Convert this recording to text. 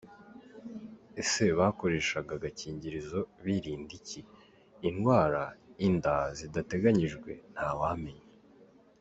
Ese bakoreshaga agakingirizo birinda iki? Indwara, inda zitateganyijwe ntawamenya.